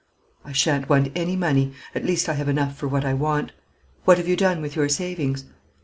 "I shan't want any money at least I have enough for what I want. What have you done with your savings?"